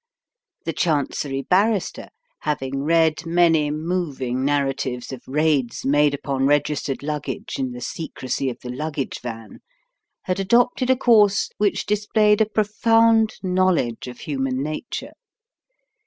The Chancery Barrister, having read many moving narratives of raids made upon registered luggage in the secrecy of the luggage van, had adopted a course which displayed a profound knowledge of human nature.